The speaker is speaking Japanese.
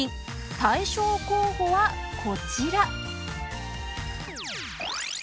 大賞候補は、こちら。